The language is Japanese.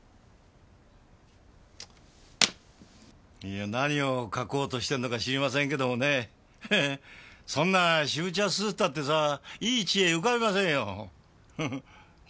いや何を書こうとしてんのか知りませんけどもねぇそんな渋茶すすってたってさぁいい知恵浮かびませんよ。